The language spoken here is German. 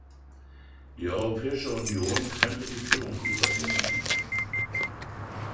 Die Europäische Union könnte die Führung übernehmen.